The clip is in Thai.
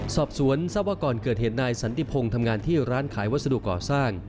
สอบสวนทราบว่าก่อนเกิดเหตุนายสันติพงศ์ทำงานที่ร้านขายวัสดุก่อสร้าง